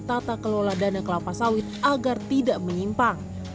tata kelola dana kelapa sawit agar tidak menyimpang